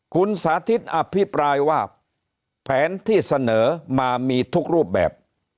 คุณสาธิตอภิปรายว่าแผนที่เสนอมามีทุกรูปแบบ